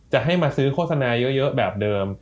จะให้มาซื้อโฆษณาเยอะแบบเดิม